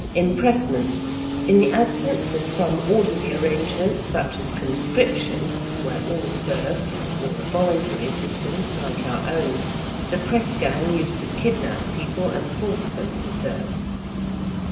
~Impressment~: in the absence of some orderly arrangement, such as conscription (where all serve) or a voluntary system (like our own), the press gang used to kidnap people and force them to serve.